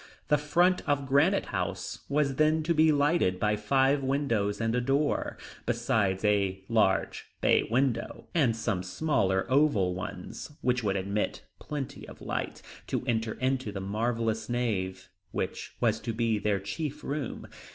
The front of Granite House was then to be lighted by five windows and a door, besides a large bay window and some smaller oval ones, which would admit plenty of light to enter into the marvelous nave which was to be their chief room.